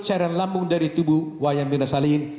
penyidik dari lampung dari tubuh wayang mirna salihin